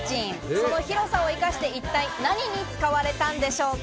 その広さを生かして一体何に使われたんでしょうか？